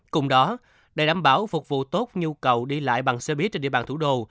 cùng đó để đảm bảo phục vụ tốt nhu cầu đi lại bằng xe buýt trên địa bàn thủ đô